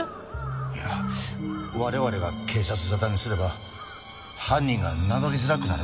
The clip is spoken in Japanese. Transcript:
いや我々が警察沙汰にすれば犯人が名乗りづらくなるかもしれませんから。